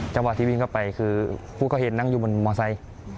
จังหวะที่วิ่งเข้าไปคือผู้ก่อเหตุนั่งอยู่บนมอไซค์